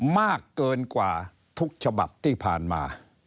มากเกินกว่าทุกฉบับที่ผ่านมา